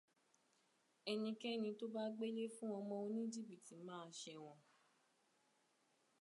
Ẹnikẹ́ni tó bá gbélé fún ọmọ oníjìbìtì ma ṣẹ̀wọ̀n.